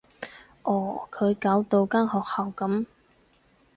哦，佢搞到間學校噉